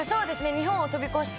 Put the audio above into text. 日本を飛び越して。